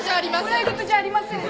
「笑い事じゃありません」